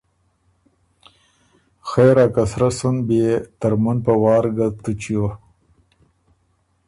” خېرا که سرۀ سُن بيې ترمُن په وار ګۀ تُو چیو“